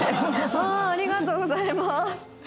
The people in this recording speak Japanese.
「わあありがとうございます」。